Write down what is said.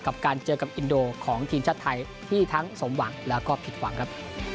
กับการเจอกับอินโดของทีมชาติไทยที่ทั้งสมหวังแล้วก็ผิดหวังครับ